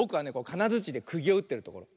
かなづちでくぎをうってるところ。